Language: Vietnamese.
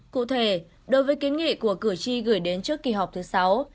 cụ thể đối với kiến nghị của cử tri gửi đến trước kỳ họp thứ sáu